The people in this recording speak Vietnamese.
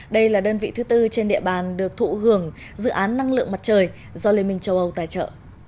đây là đơn vị thứ tư trên địa bàn được thụ hưởng dự án năng lượng mặt trời do liên minh châu âu tài trợ